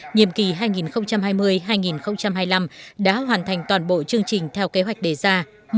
nhiệm kỳ hai nghìn hai mươi hai nghìn hai mươi năm đã hoàn thành toàn bộ chương trình theo kế hoạch đề ra